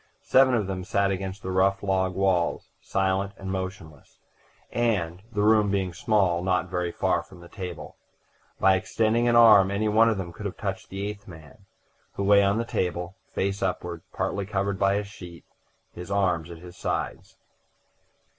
Seven of them sat against the rough log walls, silent and motionless, and, the room being small, not very far from the table. By extending an arm any one of them could have touched the eighth man, who lay on the table, face upward, partly covered by a sheet, his arms at his sides.